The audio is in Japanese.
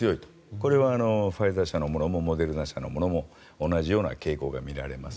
これはファイザー社のものもモデルナ社のものも同じような傾向が見られます。